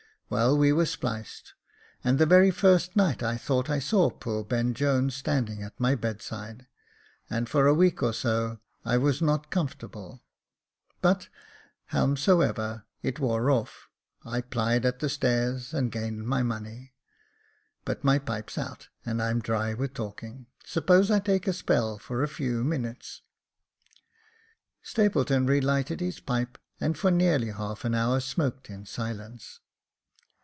Well, we were spliced, and the very first night I thought I saw poor Ben Jones standing by my bedside, and, for a week or so, I was not comfortable ; but, howsomever, it wore off, I plied at the stairs, and gained my money. But my pipe's out, and I'm dry with talking. Suppose I take a spell for a few minutes." Stapleton relighted his pipe, and for nearly half an hour smoked in silence.